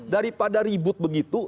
daripada ribut begitu